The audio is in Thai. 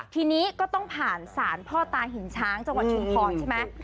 ทีนี้ก็ต้องผ่านศาลพ่อตาหินช้างจังหวัดชุมพรใช่ไหม